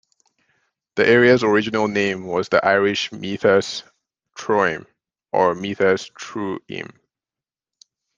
The area's original name was the Irish "Meathas Troim" or "Meathas Truim".